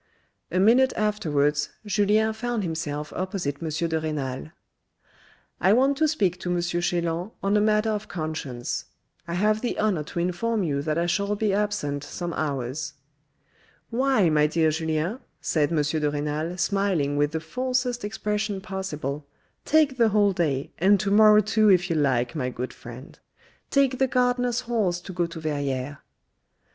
A minute afterwards Julien found himself opposite M. de Renal. " I want to speak to M. Chelan on a matter of conscience. I have the honour to inform you that I shall be absent some hours." " Why, my dear Julien," said M. de Renal smiling with the falsest expression possible, " take the whole day, and to morrow too if you like, my good friend. Take the gardener's horse to go to Verrieres."